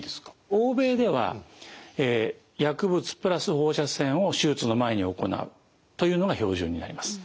欧米では薬物プラス放射線を手術の前に行うというのが標準になります。